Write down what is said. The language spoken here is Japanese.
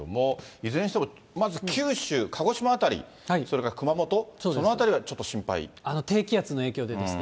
いずれにしてもまず九州、鹿児島辺り、それから熊本、その辺りは低気圧の影響でですね。